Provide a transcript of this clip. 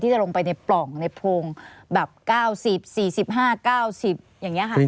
จะลงไปในปล่องในโพงแบบ๙๐๔๕๙๐อย่างนี้ค่ะ